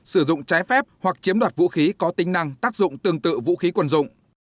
sử dụng trái phép hoặc chiếm đoạt vũ khí có tính năng tác dụng tương tự vũ khí quân dụng